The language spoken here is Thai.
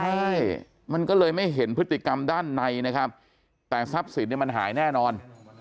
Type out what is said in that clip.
ใช่มันก็เลยไม่เห็นพฤติกรรมด้านในนะครับแต่ทรัพย์สินเนี่ยมันหายแน่นอน